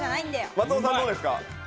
松尾さん、どうですか？